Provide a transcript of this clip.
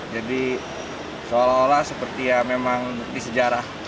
jadi seolah olah seperti ya memang bukti sejarah